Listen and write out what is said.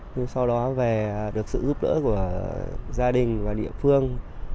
nhưng sau đó về được sự giúp đỡ của gia đình và địa phương